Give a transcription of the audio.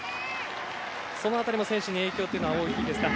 その辺りも選手に影響は大きいですか？